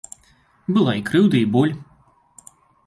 Была і крыўда і боль.